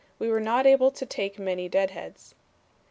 We were not able to take many deadheads."